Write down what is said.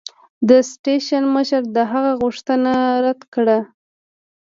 د سټېشن مشر د هغه غوښتنه رد کړه.